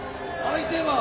相手は？